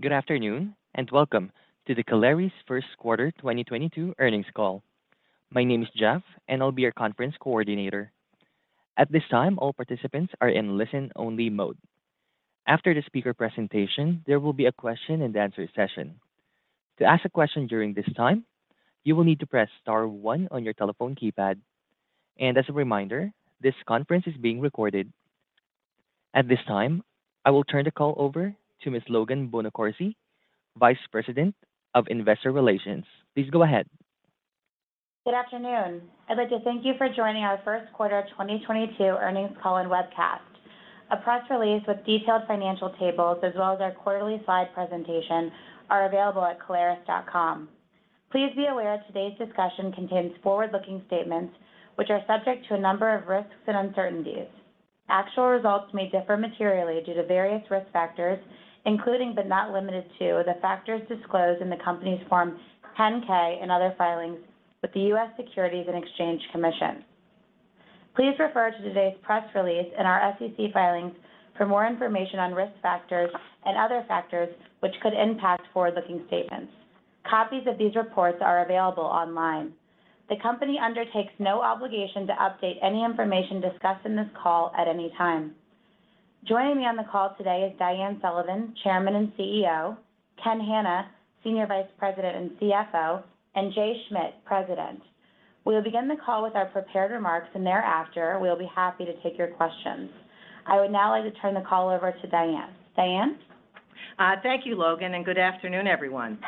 Good afternoon, and welcome to the Caleres First Quarter 2022 Earnings Call. My name is Jeff, and I'll be your conference coordinator. At this time, all participants are in listen-only mode. After the speaker presentation, there will be a question-and-answer session. To ask a question during this time, you will need to press star one on your telephone keypad. As a reminder, this conference is being recorded. At this time, I will turn the call over to Ms. Logan Bonacorsi, Vice President of Investor Relations. Please go ahead. Good afternoon. I'd like to thank you for joining our first quarter 2022 earnings call and webcast. A press release with detailed financial tables as well as our quarterly slide presentation are available at caleres.com. Please be aware today's discussion contains forward-looking statements which are subject to a number of risks and uncertainties. Actual results may differ materially due to various risk factors, including but not limited to the factors disclosed in the company's Form 10-K and other filings with the U.S. Securities and Exchange Commission. Please refer to today's press release and our SEC filings for more information on risk factors and other factors which could impact forward-looking statements. Copies of these reports are available online. The company undertakes no obligation to update any information discussed in this call at any time. Joining me on the call today is Diane Sullivan, Chairman and CEO, Kenneth Hannah, Senior Vice President and CFO, and Jay Schmidt, President. We will begin the call with our prepared remarks, and thereafter we'll be happy to take your questions. I would now like to turn the call over to Diane. Diane? Thank you, Logan, and good afternoon, everyone.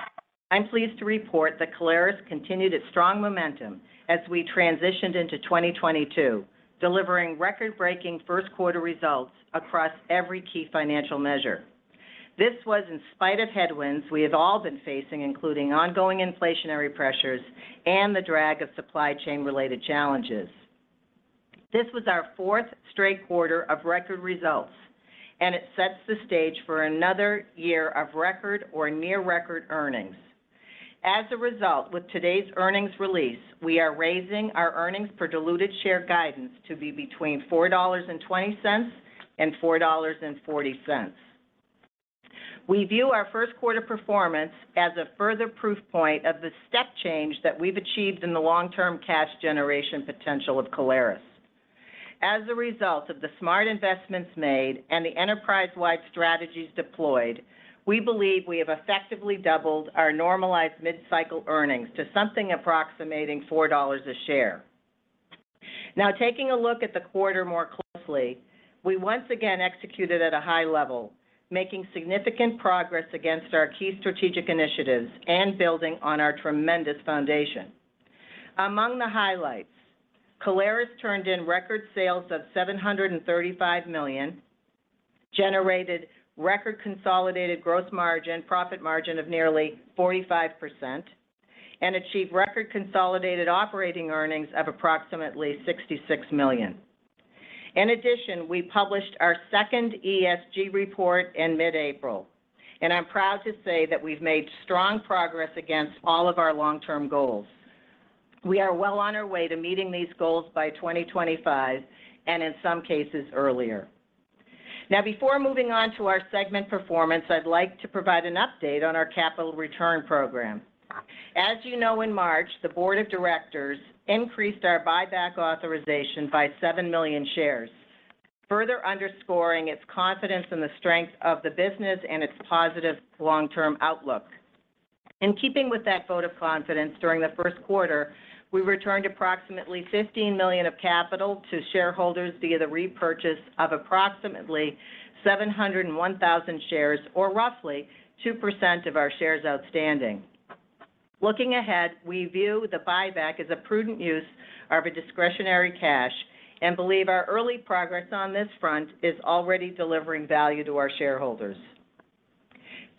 I'm pleased to report that Caleres continued its strong momentum as we transitioned into 2022, delivering record-breaking first quarter results across every key financial measure. This was in spite of headwinds we have all been facing, including ongoing inflationary pressures and the drag of supply chain related challenges. This was our fourth straight quarter of record results, and it sets the stage for another year of record or near record earnings. As a result, with today's earnings release, we are raising our earnings per diluted share guidance to be between $4.20 and $4.40. We view our first quarter performance as a further proof point of the step change that we've achieved in the long term cash generation potential of Caleres. As a result of the smart investments made and the enterprise-wide strategies deployed, we believe we have effectively doubled our normalized mid-cycle earnings to something approximating $4 a share. Now taking a look at the quarter more closely, we once again executed at a high level, making significant progress against our key strategic initiatives and building on our tremendous foundation. Among the highlights, Caleres turned in record sales of $735 million, generated record consolidated gross profit margin of nearly 45%, and achieved record consolidated operating earnings of approximately $66 million. In addition, we published our second ESG report in mid-April, and I'm proud to say that we've made strong progress against all of our long-term goals. We are well on our way to meeting these goals by 2025, and in some cases earlier. Now, before moving on to our segment performance, I'd like to provide an update on our capital return program. As you know, in March, the board of directors increased our buyback authorization by 7 million shares, further underscoring its confidence in the strength of the business and its positive long-term outlook. In keeping with that vote of confidence during the first quarter, we returned approximately $15 million of capital to shareholders via the repurchase of approximately 701,000 shares, or roughly 2% of our shares outstanding. Looking ahead, we view the buyback as a prudent use of our discretionary cash and believe our early progress on this front is already delivering value to our shareholders.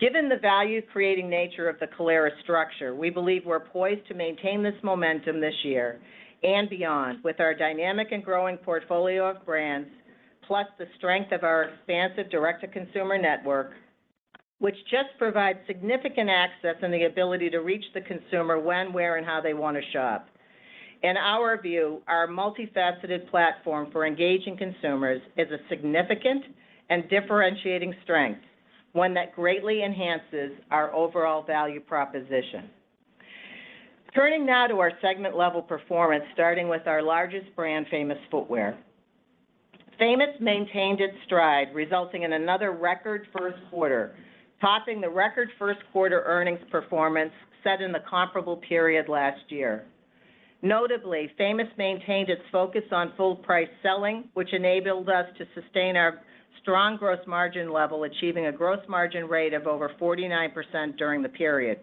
Given the value creating nature of the Caleres structure, we believe we're poised to maintain this momentum this year and beyond with our dynamic and growing portfolio of brands, plus the strength of our expansive direct-to-consumer network, which just provides significant access and the ability to reach the consumer when, where, and how they want to shop. In our view, our multifaceted platform for engaging consumers is a significant and differentiating strength, one that greatly enhances our overall value proposition. Turning now to our segment level performance, starting with our largest brand, Famous Footwear. Famous maintained its stride, resulting in another record first quarter, topping the record first quarter earnings performance set in the comparable period last year. Notably, Famous maintained its focus on full price selling, which enabled to sustain our strong gross margin level, achieving a gross margin rate of over 49% during the period.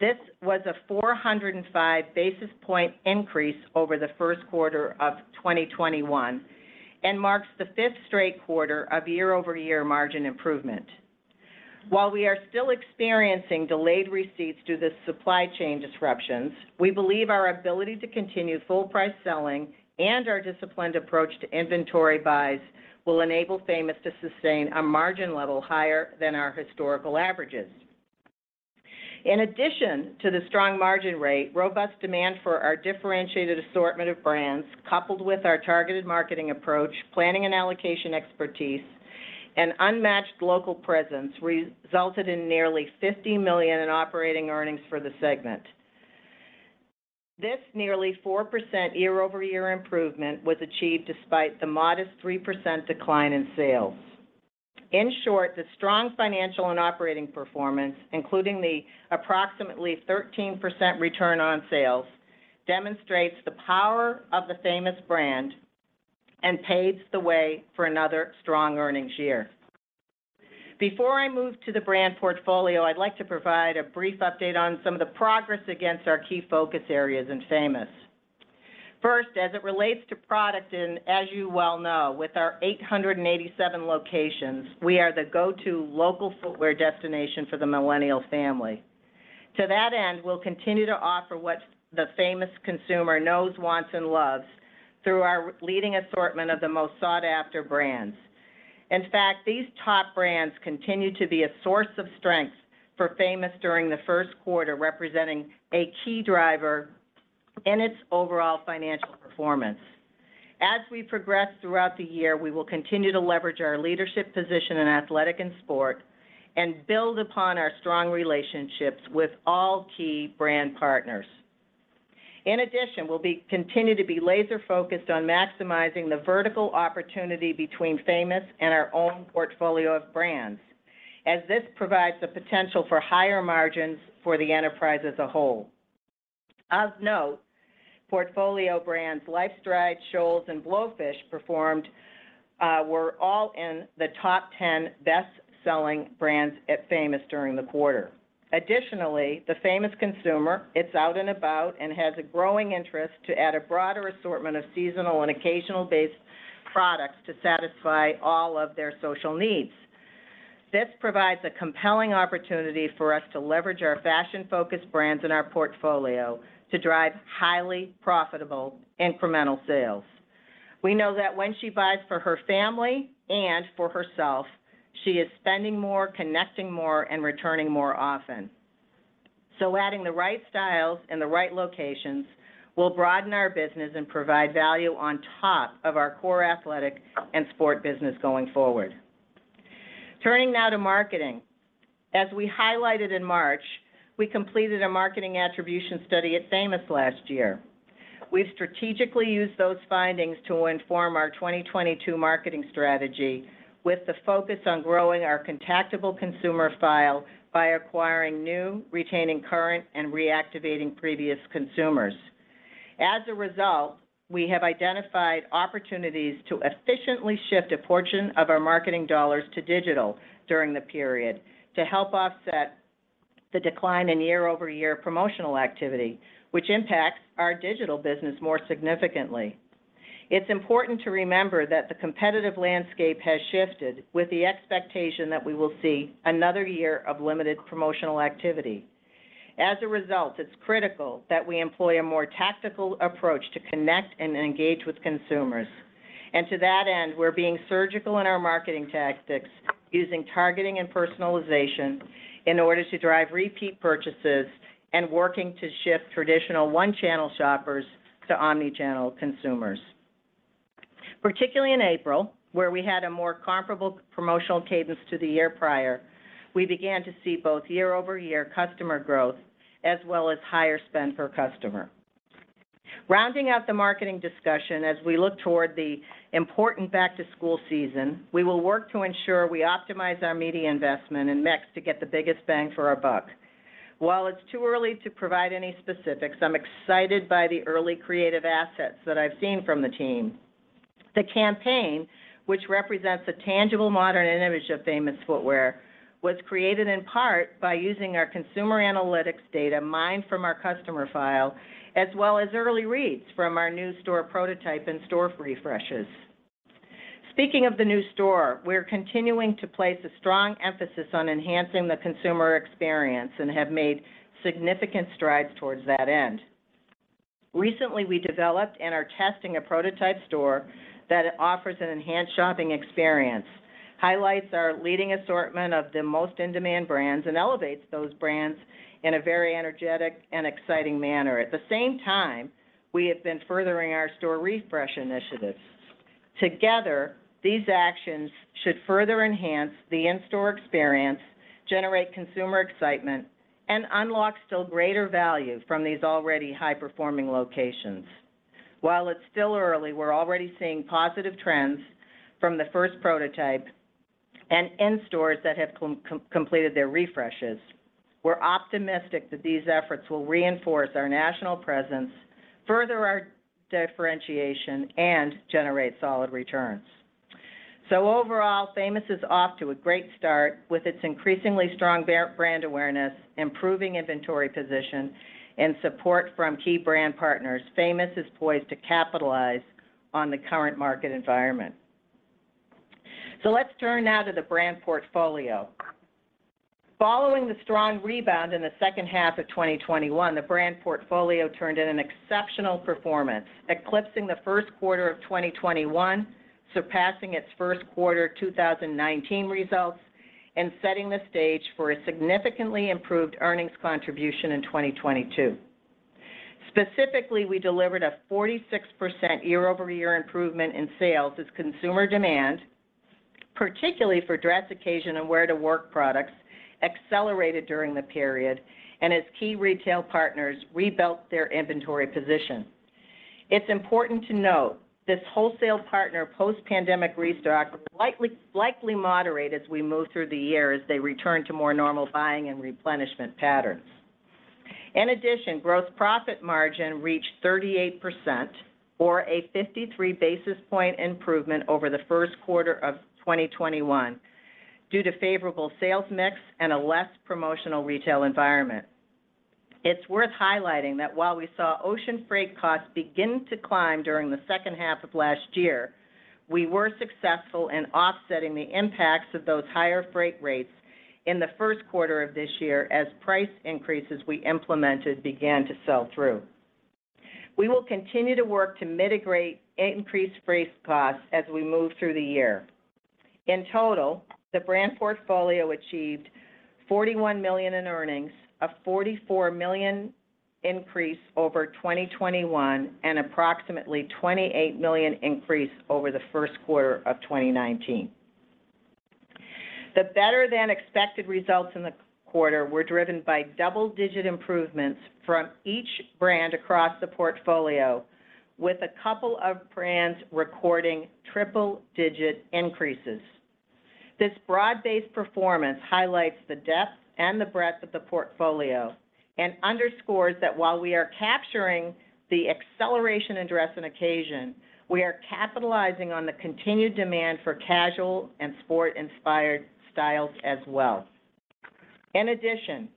This was a 405 basis point increase over the first quarter of 2021 and marks the fifth straight quarter of year-over-year margin improvement. While we are still experiencing delayed receipts due to supply chain disruptions, we believe our ability to continue full price selling and our disciplined approach to inventory buys will enable Famous to sustain a margin level higher than our historical averages. In addition to the strong margin rate, robust demand for our differentiated assortment of brands, coupled with our targeted marketing approach, planning and allocation expertise, and unmatched local presence resulted in nearly $50 million in operating earnings for the segment. This nearly 4% year-over-year improvement was achieved despite the modest 3% decline in sales. In short, the strong financial and operating performance, including the approximately 13% return on sales, demonstrates the power of the Famous brand and paves the way for another strong earnings year. Before I move to the brand portfolio, I'd like to provide a brief update on some of the progress against our key focus areas in Famous. First, as it relates to product and as you well know, with our 887 locations, we are the go-to local footwear destination for the millennial family. To that end, we'll continue to offer what the Famous consumer knows, wants, and loves through our leading assortment of the most sought-after brands. In fact, these top brands continue to be a source of strength for Famous during the first quarter, representing a key driver in its overall financial performance. As we progress throughout the year, we will continue to leverage our leadership position in athletic and sport and build upon our strong relationships with all key brand partners. In addition, continue to be laser-focused on maximizing the vertical opportunity between Famous and our own portfolio of brands, as this provides the potential for higher margins for the enterprise as a whole. Of note, portfolio brands LifeStride, Scholl's, and Blowfish performed, were all in the top 10 best-selling brands at Famous during the quarter. Additionally, the Famous consumer is out and about and has a growing interest to add a broader assortment of seasonal and occasional-based products to satisfy all of their social needs. This provides a compelling opportunity for us to leverage our fashion-focused brands in our portfolio to drive highly profitable incremental sales. We know that when she buys for her family and for herself, she is spending more, connecting more, and returning more often. Adding the right styles in the right locations will broaden our business and provide value on top of our core athletic and sport business going forward. Turning now to marketing. As we highlighted in March, we completed a marketing attribution study at Famous last year. We've strategically used those findings to inform our 2022 marketing strategy with the focus on growing our contactable consumer file by acquiring new, retaining current, and reactivating previous consumers. As a result, we have identified opportunities to efficiently shift a portion of our marketing dollars to digital during the period to help offset the decline in year-over-year promotional activity, which impacts our digital business more significantly. It's important to remember that the competitive landscape has shifted with the expectation that we will see another year of limited promotional activity. As a result, it's critical that we employ a more tactical approach to connect and engage with consumers. To that end, we're being surgical in our marketing tactics using targeting and personalization in order to drive repeat purchases and working to shift traditional one-channel shoppers to omnichannel consumers. Particularly in April, where we had a more comparable promotional cadence to the year prior, we began to see both year-over-year customer growth as well as higher spend per customer. Rounding out the marketing discussion as we look toward the important back-to-school season, we will work to ensure we optimize our media investment in mix to get the biggest bang for our buck. While it's too early to provide any specifics, I'm excited by the early creative assets that I've seen from the team. The campaign, which represents a tangible modern image of Famous Footwear, was created in part by using our consumer analytics data mined from our customer file, as well as early reads from our new store prototype and store refreshes. Speaking of the new store, we're continuing to place a strong emphasis on enhancing the consumer experience and have made significant strides towards that end. Recently, we developed and are testing a prototype store that offers an enhanced shopping experience, highlights our leading assortment of the most in-demand brands, and elevates those brands in a very energetic and exciting manner. At the same time, we have been furthering our store refresh initiatives. Together, these actions should further enhance the in-store experience, generate consumer excitement, and unlock still greater value from these already high-performing locations. While it's still early, we're already seeing positive trends from the first prototype and in stores that have completed their refreshes. We're optimistic that these efforts will reinforce our national presence, further our differentiation, and generate solid returns. Overall, Famous is off to a great start with its increasingly strong brand awareness, improving inventory position, and support from key brand partners. Famous is poised to capitalize on the current market environment. Let's turn now to the brand portfolio. Following the strong rebound in the second half of 2021, the brand portfolio turned in an exceptional performance, eclipsing the first quarter of 2021, surpassing its first quarter 2019 results and setting the stage for a significantly improved earnings contribution in 2022. Specifically, we delivered a 46% year-over-year improvement in sales as consumer demand, particularly for dress occasion and wear-to-work products accelerated during the period and as key retail partners rebuilt their inventory position. It's important to note this wholesale partner post-pandemic restock will likely moderate as we move through the year as they return to more normal buying and replenishment patterns. In addition, gross profit margin reached 38% or a 53 basis point improvement over the first quarter of 2021 due to favorable sales mix and a less promotional retail environment. It's worth highlighting that while we saw ocean freight costs begin to climb during the second half of last year, we were successful in offsetting the impacts of those higher freight rates in the first quarter of this year as price increases we implemented began to sell through. We will continue to work to mitigate increased freight costs as we move through the year. In total, the brand portfolio achieved $41 million in earnings, a $44 million increase over 2021 and approximately $28 million increase over the first quarter of 2019. The better than expected results in the quarter were driven by double-digit improvements from each brand across the portfolio with a couple of brands recording triple-digit increases. This broad-based performance highlights the depth and the breadth of the portfolio and underscores that while we are capturing the acceleration in dress and occasion, we are capitalizing on the continued demand for casual and sport-inspired styles as well. In addition,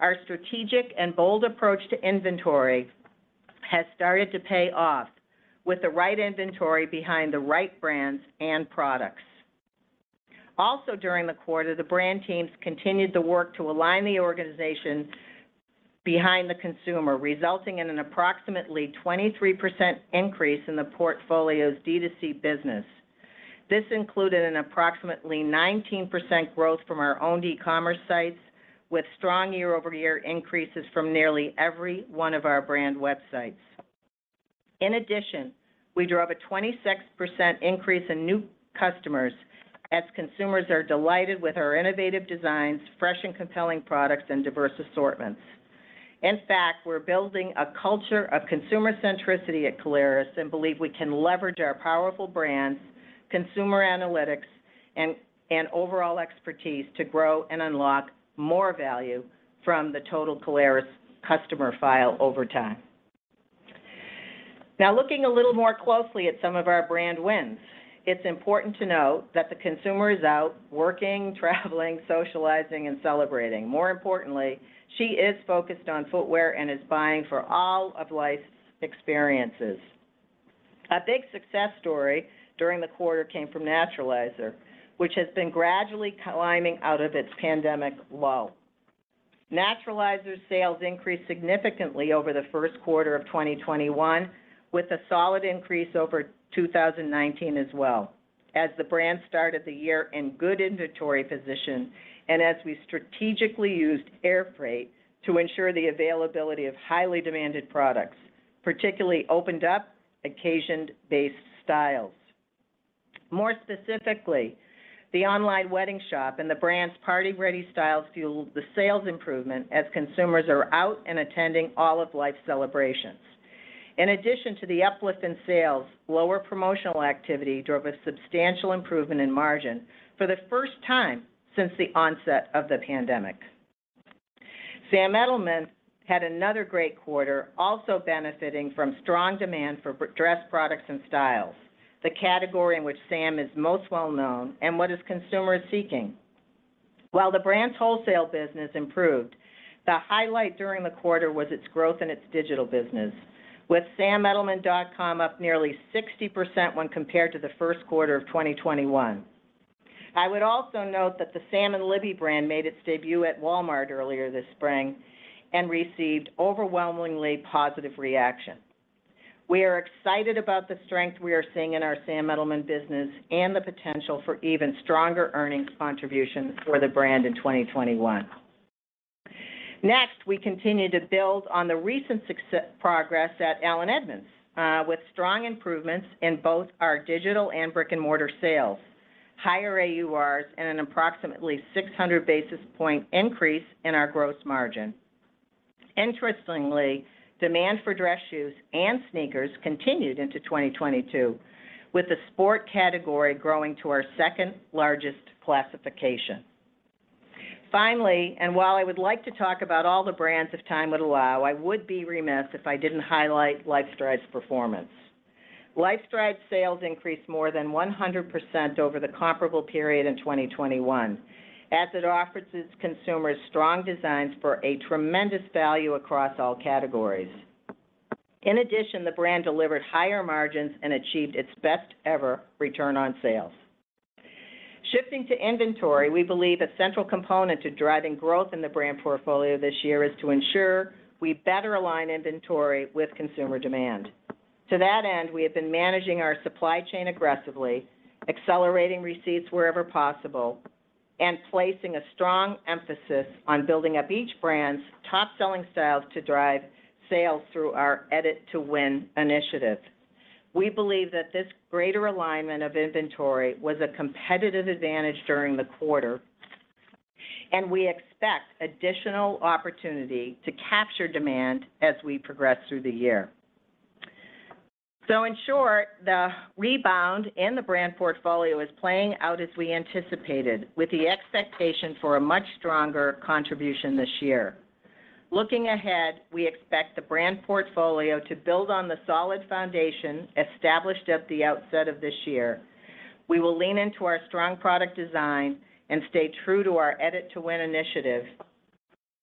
our strategic and bold approach to inventory has started to pay off with the right inventory behind the right brands and products. Also during the quarter, the brand teams continued to work to align the organization behind the consumer, resulting in an approximately 23% increase in the portfolio's D2C business. This included an approximately 19% growth from our own e-commerce sites with strong year-over-year increases from nearly every one of our brand websites. In addition, we drove a 26% increase in new customers as consumers are delighted with our innovative designs, fresh and compelling products, and diverse assortments. In fact, we're building a culture of consumer centricity at Caleres and believe we can leverage our powerful brands, consumer analytics, and overall expertise to grow and unlock more value from the total Caleres customer file over time. Now looking a little more closely at some of our brand wins, it's important to note that the consumer is out working, traveling, socializing, and celebrating. More importantly, she is focused on footwear and is buying for all of life's experiences. A big success story during the quarter came from Naturalizer, which has been gradually climbing out of its pandemic low. Naturalizer's sales increased significantly over the first quarter of 2021 with a solid increase over 2019 as well as the brand started the year in good inventory position and as we strategically used air freight to ensure the availability of highly demanded products, particularly open-toe occasion-based styles. More specifically, the online wedding shop and the brand's party-ready styles fueled the sales improvement as consumers are out and attending all of life's celebrations. In addition to the uplift in sales, lower promotional activity drove a substantial improvement in margin for the first time since the onset of the pandemic. Sam Edelman had another great quarter, also benefiting from strong demand for dress products and styles, the category in which Sam is most well known and what his consumer is seeking. While the brand's wholesale business improved, the highlight during the quarter was its growth in its digital business with samedelman.com up nearly 60% when compared to the first quarter of 2021. I would also note that the Sam & Libby brand made its debut at Walmart earlier this spring and received overwhelmingly positive reaction. We are excited about the strength we are seeing in our Sam Edelman business and the potential for even stronger earnings contributions for the brand in 2021. Next, we continue to build on the recent progress at Allen Edmonds with strong improvements in both our digital and brick-and-mortar sales, higher AURs, and an approximately 600 basis point increase in our gross margin. Interestingly, demand for dress shoes and sneakers continued into 2022, with the sport category growing to our second-largest classification. Finally, while I would like to talk about all the brands if time would allow, I would be remiss if I didn't highlight LifeStride's performance. LifeStride's sales increased more than 100% over the comparable period in 2021 as it offers its consumers strong designs for a tremendous value across all categories. In addition, the brand delivered higher margins and achieved its best ever return on sales. Shifting to inventory, we believe a central component to driving growth in the brand portfolio this year is to ensure we better align inventory with consumer demand. To that end, we have been managing our supply chain aggressively, accelerating receipts wherever possible, and placing a strong emphasis on building up each brand's top-selling styles to drive sales through our Edit to Win initiative. We believe that this greater alignment of inventory was a competitive advantage during the quarter, and we expect additional opportunity to capture demand as we progress through the year. In short, the rebound in the brand portfolio is playing out as we anticipated, with the expectation for a much stronger contribution this year. Looking ahead, we expect the brand portfolio to build on the solid foundation established at the outset of this year. We will lean into our strong product design and stay true to our Edit to Win initiative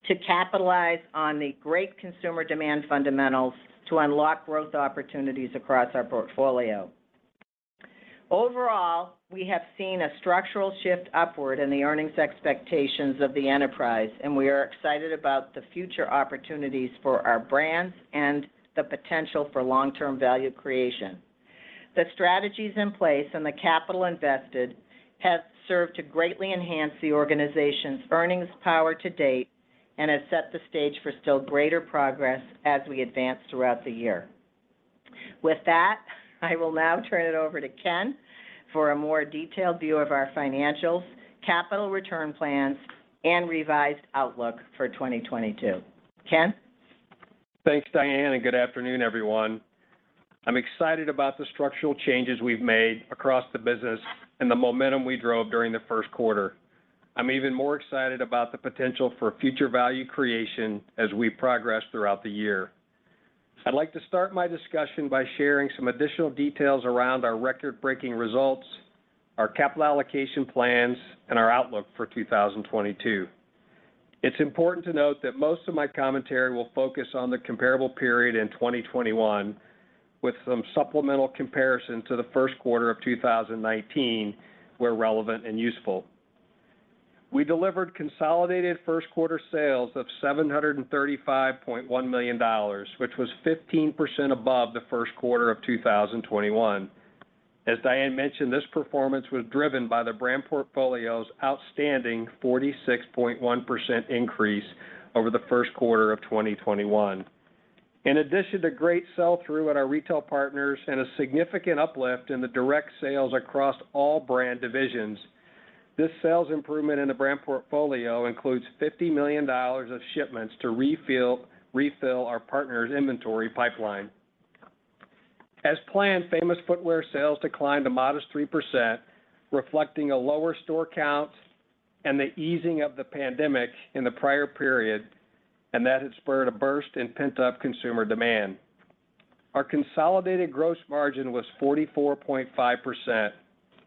to capitalize on the great consumer demand fundamentals to unlock growth opportunities across our portfolio. Overall, we have seen a structural shift upward in the earnings expectations of the enterprise, and we are excited about the future opportunities for our brands and the potential for long-term value creation. The strategies in place and the capital invested have served to greatly enhance the organization's earnings power to date and have set the stage for still greater progress as we advance throughout the year. With that, I will now turn it over to Ken for a more detailed view of our financials, capital return plans, and revised outlook for 2022. Ken? Thanks, Diane, and good afternoon, everyone. I'm excited about the structural changes we've made across the business and the momentum we drove during the first quarter. I'm even more excited about the potential for future value creation as we progress throughout the year. I'd like to start my discussion by sharing some additional details around our record-breaking results, our capital allocation plans, and our outlook for 2022. It's important to note that most of my commentary will focus on the comparable period in 2021 with some supplemental comparison to the first quarter of 2019 where relevant and useful. We delivered consolidated first quarter sales of $735.1 million, which was 15% above the first quarter of 2021. As Diane mentioned, this performance was driven by the brand portfolio's outstanding 46.1% increase over the first quarter of 2021. In addition to great sell-through at our retail partners and a significant uplift in the direct sales across all brand divisions, this sales improvement in the brand portfolio includes $50 million of shipments to refill our partners' inventory pipeline. As planned, Famous Footwear sales declined a modest 3%, reflecting a lower store count and the easing of the pandemic in the prior period, and that had spurred a burst in pent-up consumer demand. Our consolidated gross margin was 44.5%,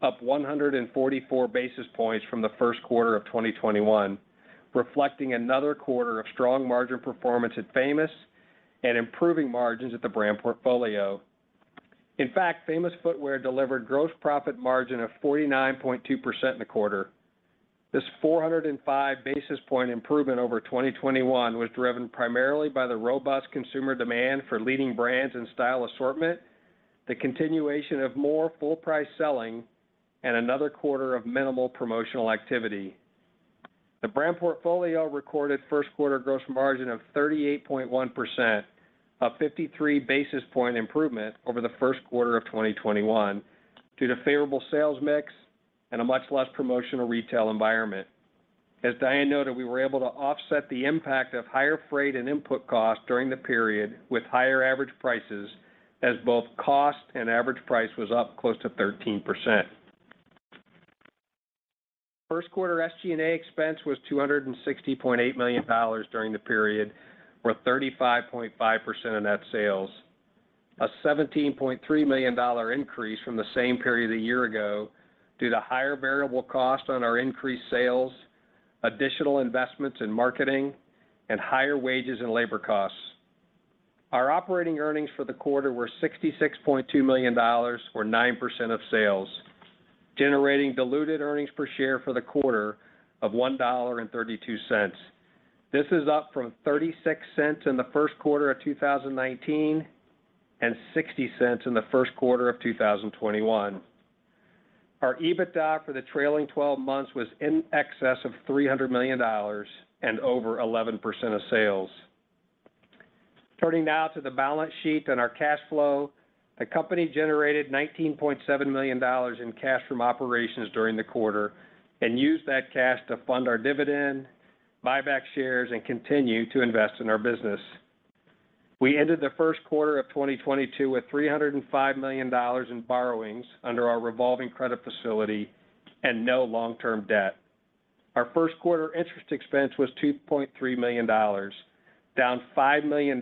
up 144 basis points from the first quarter of 2021, reflecting another quarter of strong margin performance at Famous and improving margins at the brand portfolio. In fact, Famous Footwear delivered gross profit margin of 49.2% in the quarter. This 405 basis point improvement over 2021 was driven primarily by the robust consumer demand for leading brands and style assortment, the continuation of more full price selling, and another quarter of minimal promotional activity. The brand portfolio recorded first quarter gross margin of 38.1%, a 53 basis point improvement over the first quarter of 2021 due to favorable sales mix and a much less promotional retail environment. As Diane noted, we were able to offset the impact of higher freight and input costs during the period with higher average prices as both cost and average price was up close to 13%. First quarter SG&A expense was $260.8 million during the period, or 35.5% of net sales, a $17.3 million increase from the same period a year ago due to higher variable costs on our increased sales, additional investments in marketing, and higher wages and labor costs. Our operating earnings for the quarter were $66.2 million, or 9% of sales, generating diluted earnings per share for the quarter of $1.32. This is up from 36 cents in the first quarter of 2019 and $0.6 In the first quarter of 2021. Our EBITDA for the trailing twelve months was in excess of $300 million and over 11% of sales. Turning now to the balance sheet and our cash flow, the company generated $19.7 million in cash from operations during the quarter and used that cash to fund our dividend, buy back shares, and continue to invest in our business. We ended the first quarter of 2022 with $305 million in borrowings under our revolving credit facility and no long-term debt. Our first quarter interest expense was $2.3 million, down $5 million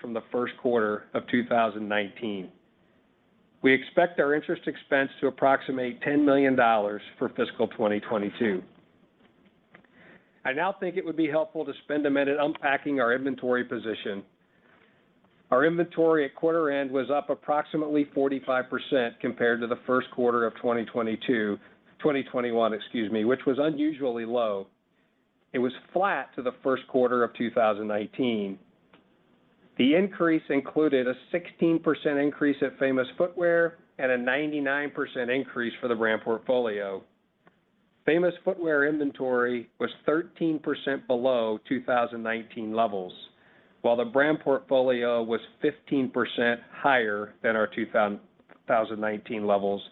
from the first quarter of 2019. We expect our interest expense to approximate $10 million for fiscal 2022. I now think it would be helpful to spend a minute unpacking our inventory position. Our inventory at quarter end was up approximately 45% compared to the first quarter of 2021, excuse me, which was unusually low. It was flat to the first quarter of 2019. The increase included a 16% increase at Famous Footwear and a 99% increase for the brand portfolio. Famous Footwear inventory was 13% below 2019 levels, while the brand portfolio was 15% higher than our 2019 levels,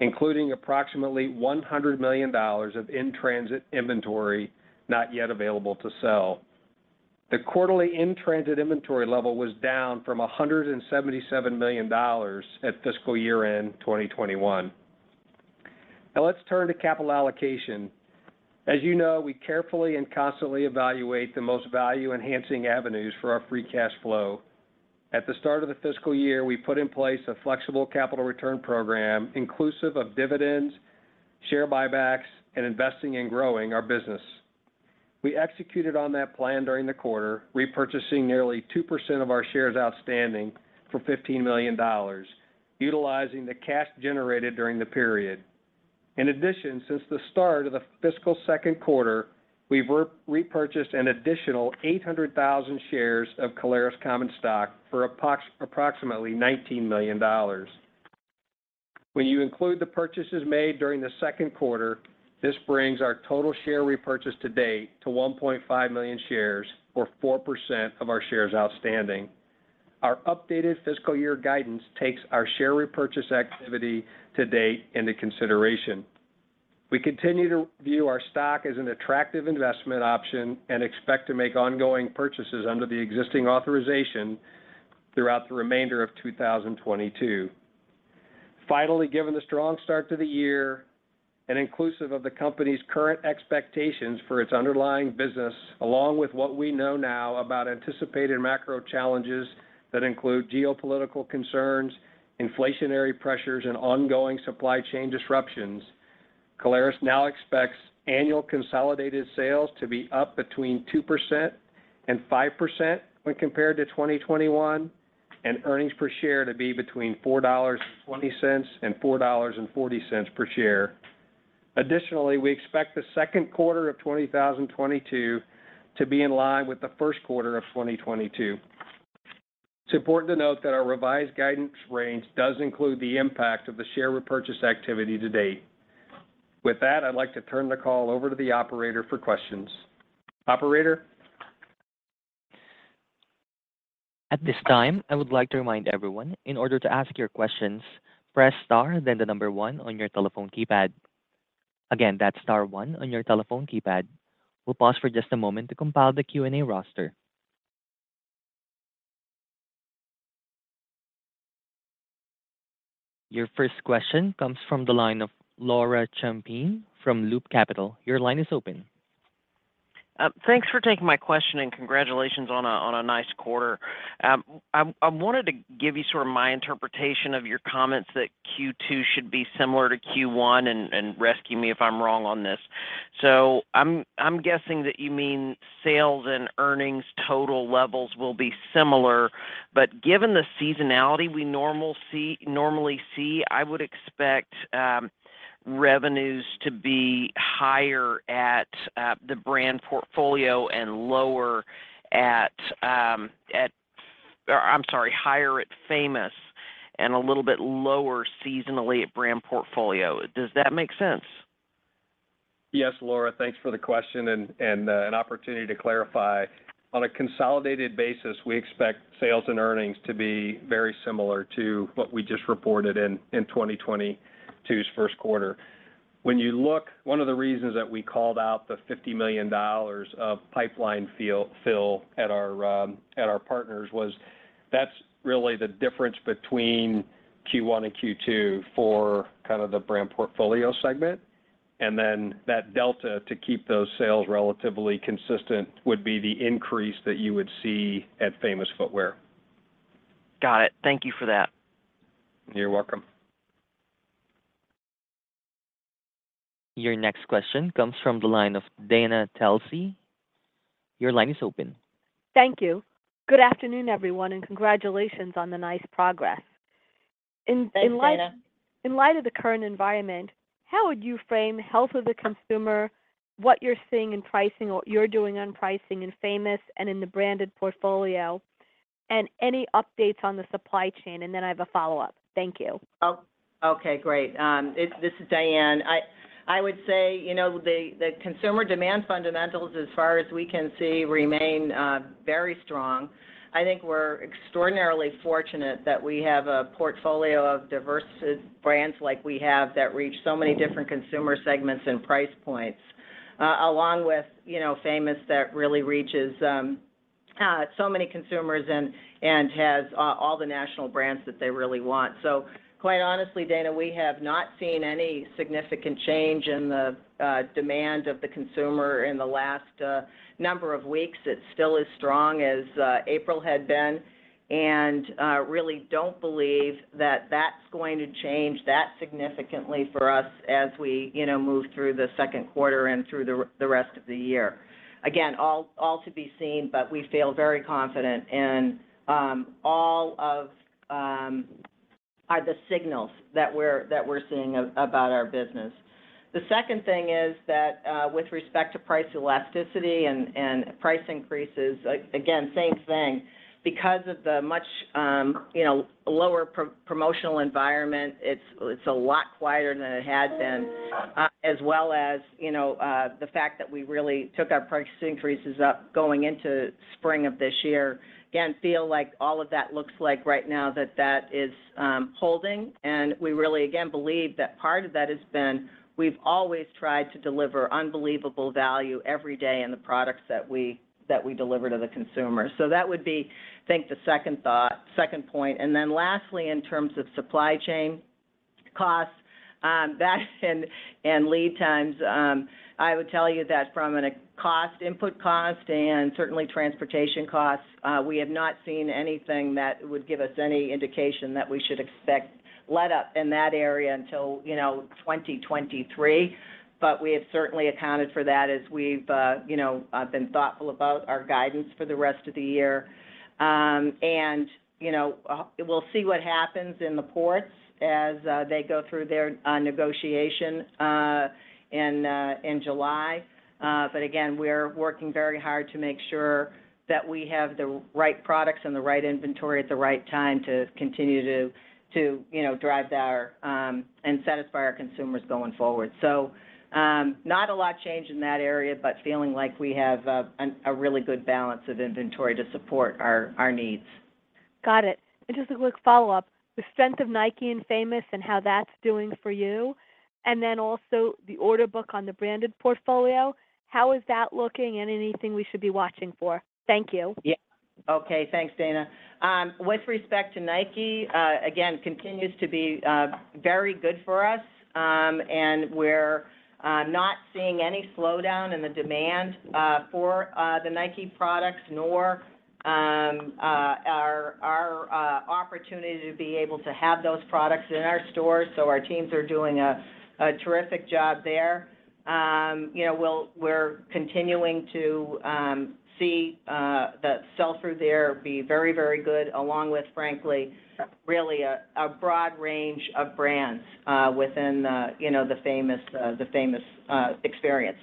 including approximately $100 million of in-transit inventory not yet available to sell. The quarterly in-transit inventory level was down from $177 million at fiscal year end 2021. Now let's turn to capital allocation. As you know, we carefully and constantly evaluate the most value-enhancing avenues for our free cash flow. At the start of the fiscal year, we put in place a flexible capital return program inclusive of dividends, share buybacks, and investing in growing our business. We executed on that plan during the quarter, repurchasing nearly 2% of our shares outstanding for $15 million, utilizing the cash generated during the period. In addition, since the start of the fiscal second quarter, we've repurchased an additional 800,000 shares of Caleres common stock for approximately $19 million. When you include the purchases made during the second quarter, this brings our total share repurchase to date to 1.5 million shares or 4% of our shares outstanding. Our updated fiscal year guidance takes our share repurchase activity to date into consideration. We continue to view our stock as an attractive investment option and expect to make ongoing purchases under the existing authorization throughout the remainder of 2022. Finally, given the strong start to the year and inclusive of the company's current expectations for its underlying business, along with what we know now about anticipated macro challenges that include geopolitical concerns, inflationary pressures, and ongoing supply chain disruptions, Caleres now expects annual consolidated sales to be up between 2% and 5% when compared to 2021, and earnings per share to be between $4.20 and $4.40 per share. Additionally, we expect the second quarter of 2022 to be in line with the first quarter of 2022. It's important to note that our revised guidance range does include the impact of the share repurchase activity to date. With that, I'd like to turn the call over to the operator for questions. Operator? At this time, I would like to remind everyone, in order to ask your questions, press star then the number one on your telephone keypad. Again, that's star one on your telephone keypad. We'll pause for just a moment to compile the Q&A roster. Your first question comes from the line of Laura Champine from Loop Capital. Your line is open. Thanks for taking my question and congratulations on a nice quarter. I wanted to give you sort of my interpretation of your comments that Q2 should be similar to Q1 and rescue me if I'm wrong on this. I'm guessing that you mean sales and earnings total levels will be similar. Given the seasonality we normally see, I would expect revenues to be higher at Famous and a little bit lower seasonally at brand portfolio. Does that make sense? Yes, Laura, thanks for the question and an opportunity to clarify. On a consolidated basis, we expect sales and earnings to be very similar to what we just reported in 2022's first quarter. One of the reasons that we called out the $50 million of pipeline fill at our partners was, that's really the difference between Q1 and Q2 for kind of the brand portfolio segment. Then that delta to keep those sales relatively consistent would be the increase that you would see at Famous Footwear. Got it. Thank you for that. You're welcome. Your next question comes from the line of Dana Telsey. Your line is open. Thank you. Good afternoon, everyone, and congratulations on the nice progress. Thanks, Dana. In light of the current environment, how would you frame health of the consumer, what you're seeing in pricing or you're doing on pricing in Famous and in the branded portfolio, and any updates on the supply chain, and then I have a follow-up. Thank you. Okay, great. This is Diane. I would say, you know, the consumer demand fundamentals as far as we can see remain very strong. I think we're extraordinarily fortunate that we have a portfolio of diverse brands like we have that reach so many different consumer segments and price points. Along with, you know, Famous that really reaches so many consumers and has all the national brands that they really want. Quite honestly, Dana, we have not seen any significant change in the demand of the consumer in the last number of weeks. It's still as strong as April had been, and really don't believe that that's going to change that significantly for us as we, you know, move through the second quarter and through the rest of the year. Again, all to be seen, but we feel very confident in all the signals that we're seeing about our business. The second thing is that with respect to price elasticity and price increases, again, same thing. Because of the much you know lower promotional environment, it's a lot quieter than it had been. As well as you know the fact that we really took our price increases up going into spring of this year. Again, feel like all of that looks like right now that is holding, and we really again believe that part of that has been, we've always tried to deliver unbelievable value every day in the products that we deliver to the consumer. That would be, I think, the second thought, second point. Lastly, in terms of supply chain costs and lead times, I would tell you that from an input cost and certainly transportation costs, we have not seen anything that would give us any indication that we should expect letup in that area until, you know, 2023. But we have certainly accounted for that as we've, you know, been thoughtful about our guidance for the rest of the year. You know, we'll see what happens in the ports as they go through their negotiation in July. But again, we're working very hard to make sure that we have the right products and the right inventory at the right time to continue to, you know, drive our and satisfy our consumers going forward. Not a lot changed in that area, but feeling like we have a really good balance of inventory to support our needs. Got it. Just a quick follow-up. The strength of Nike and Famous and how that's doing for you, and then also the order book on the branded portfolio, how is that looking, and anything we should be watching for? Thank you. Yeah. Okay, thanks, Dana. With respect to Nike, again, continues to be very good for us. We're not seeing any slowdown in the demand for the Nike products, nor our opportunity to be able to have those products in our stores. Our teams are doing a terrific job there. You know, we're continuing to see the sell-through there be very good, along with, frankly, really a broad range of brands within the, you know, the Famous experience.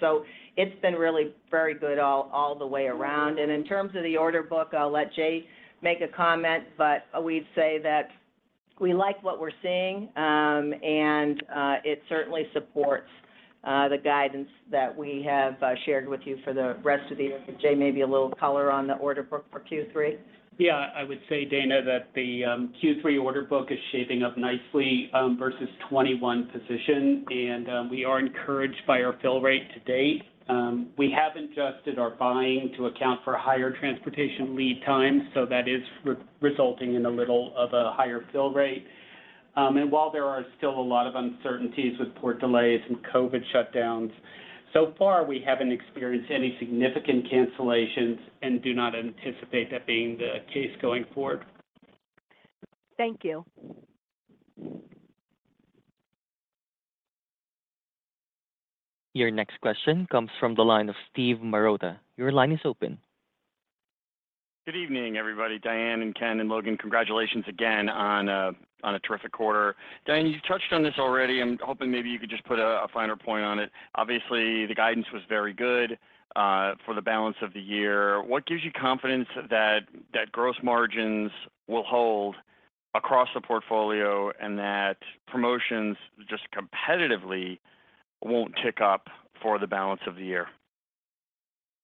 It's been really very good all the way around. In terms of the order book, I'll let Jay make a comment, but we'd say that we like what we're seeing. It certainly supports the guidance that we have shared with you for the rest of the year. Jay, maybe a little color on the order book for Q3? Yeah. I would say, Dana, that the Q3 order book is shaping up nicely versus 2021 position. We are encouraged by our fill rate to date. We have adjusted our buying to account for higher transportation lead times, so that is resulting in a little of a higher fill rate. While there are still a lot of uncertainties with port delays and COVID shutdowns, so far we haven't experienced any significant cancellations and do not anticipate that being the case going forward. Thank you. Your next question comes from the line of Steve Marotta. Your line is open. Good evening, everybody. Diane and Ken and Logan, congratulations again on a terrific quarter. Diane, you touched on this already. I'm hoping maybe you could just put a finer point on it. Obviously, the guidance was very good for the balance of the year. What gives you confidence that gross margins will hold across the portfolio and that promotions just competitively won't tick up for the balance of the year?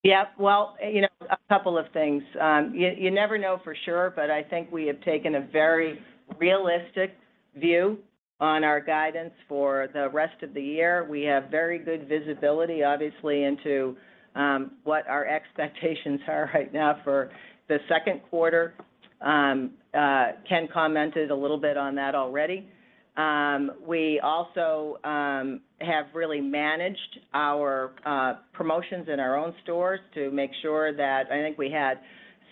Yep. Well, you know, a couple of things. You never know for sure, but I think we have taken a very realistic view on our guidance for the rest of the year. We have very good visibility, obviously, into what our expectations are right now for the second quarter. Ken commented a little bit on that already. We also have really managed our promotions in our own stores to make sure that. I think we had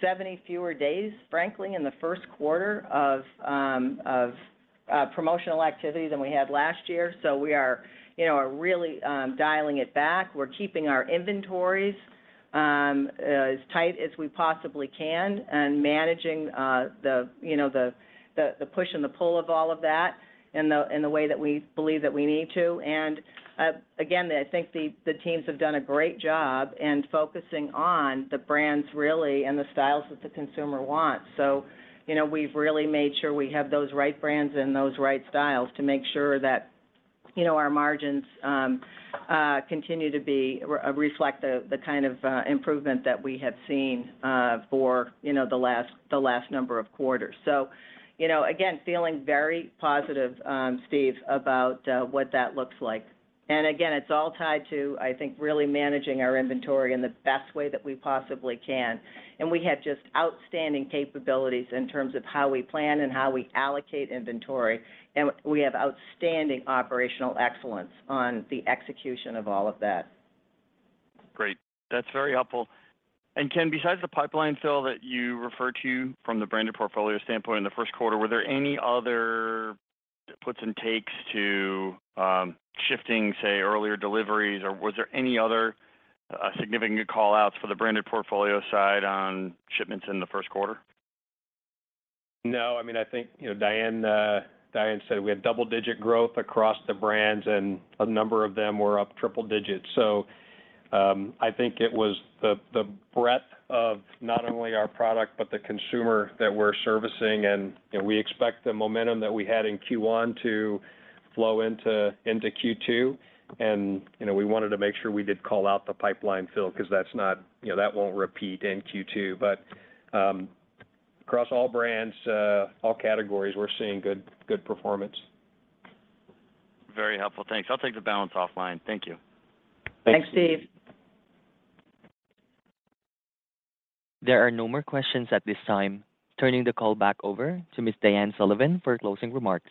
70 fewer days, frankly, in the first quarter of promotional activity than we had last year. We are, you know, really dialing it back. We're keeping our inventories as tight as we possibly can and managing the, you know, the push and the pull of all of that in the way that we believe that we need to. Again, I think the teams have done a great job in focusing on the brands really and the styles that the consumer wants. You know, we've really made sure we have those right brands and those right styles to make sure that, you know, our margins continue to reflect the kind of improvement that we have seen for, you know, the last number of quarters. You know, again, feeling very positive, Steve, about what that looks like. Again, it's all tied to, I think, really managing our inventory in the best way that we possibly can. We have just outstanding capabilities in terms of how we plan and how we allocate inventory, and we have outstanding operational excellence on the execution of all of that. Great. That's very helpful. Ken, besides the pipeline fill that you referred to from the branded portfolio standpoint in the first quarter, were there any other puts and takes to shifting, say, earlier deliveries or was there any other significant call outs for the branded portfolio side on shipments in the first quarter? No. I mean, I think, you know, Diane said we had double-digit growth across the brands, and a number of them were up triple digits. I think it was the breadth of not only our product, but the consumer that we're servicing. You know, we expect the momentum that we had in Q1 to flow into Q2. You know, we wanted to make sure we did call out the pipeline fill 'cause that's not, you know, that won't repeat in Q2. Across all brands, all categories, we're seeing good performance. Very helpful. Thanks. I'll take the balance offline. Thank you. Thanks, Steve. Thanks, Steve. There are no more questions at this time. Turning the call back over to Ms. Diane Sullivan for closing remarks.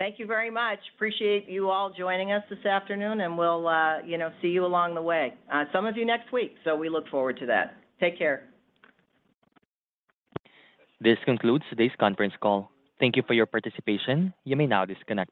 Thank you very much. Appreciate you all joining us this afternoon, and we'll, you know, see you along the way. Some of you next week, so we look forward to that. Take care. This concludes today's conference call. Thank you for your participation. You may now disconnect.